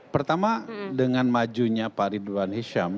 pertama dengan majunya pak ridwan hisham